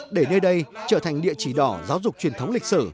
để nơi đây trở thành địa chỉ đỏ giáo dục truyền thống lịch sử